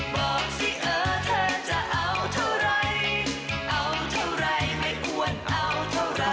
บอกสิเออเธอจะเอาเท่าไรเอาเท่าไรไม่ควรเอาเท่าไร